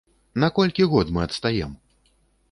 На колькі год мы адстаем?